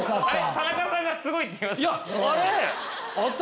田中さんが凄いって言いました？